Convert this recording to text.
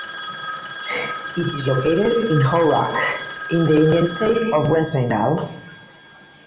It is located in Howrah in the Indian state of West Bengal.